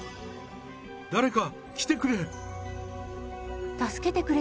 誰か、来てくれ。